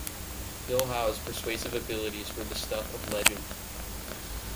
Bill Howe's persuasive abilities were the stuff of legend.